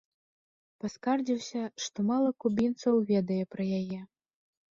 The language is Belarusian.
Паскардзіўся, што мала кубінцаў ведае пра яе.